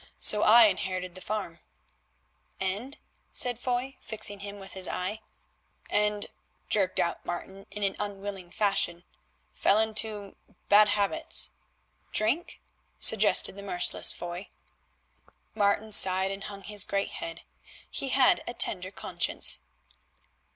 So I inherited the farm——" "And—" said Foy, fixing him with his eye. "And," jerked out Martin in an unwilling fashion, "fell into bad habits." "Drink?" suggested the merciless Foy. Martin sighed and hung his great head. He had a tender conscience.